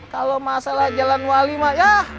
kalo masalah jalan wali mah yah